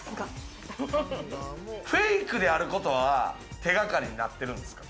フェイクであることは手掛かりになってるんですか？